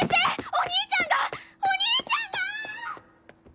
お兄ちゃんがお兄ちゃんがーっ！！